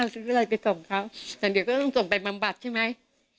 ซื้ออะไรไปส่งเขาแต่เดี๋ยวก็ต้องส่งไปบำบัดใช่ไหม